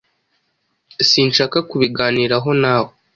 Sinshaka kubiganiraho nawe.